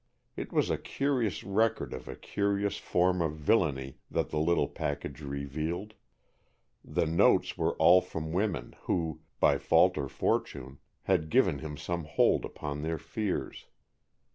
It was a curious record of a curious form of villainy that the little package revealed. The notes were all from women, who, by fault or fortune, had given him some hold upon their fears.